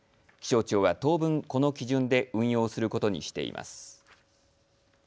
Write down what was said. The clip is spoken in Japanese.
気象庁は当分、この基準で運用することにしています。